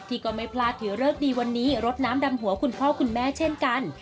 ก็ไม่พลาดถือเลิกดีวันนี้รดน้ำดำหัวคุณพ่อคุณแม่เช่นกัน